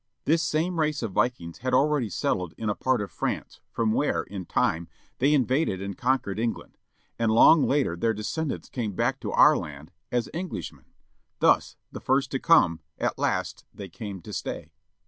This same race of Vikings had already settled in a part of France, from where, in time, they invaded and conquered England. And long later their descendants came back to our land â as Englishmen. Thus, the first to come, at last they came to stay.